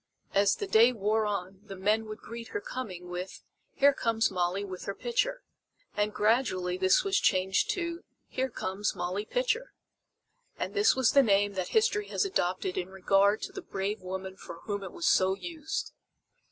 As the day wore on the men would greet her coming with: "Here comes Molly with her pitcher!" And gradually this was changed to "Here comes Molly Pitcher." And this was the name that history has adopted in regard to the brave woman for whom it was so used.